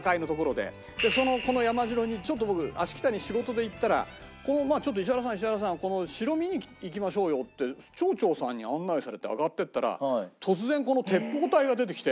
この山城にちょっと僕芦北に仕事で行ったら「ちょっと石原さん石原さんこの城見に行きましょうよ」って町長さんに案内されて上がっていったら突然この鉄砲隊が出てきて。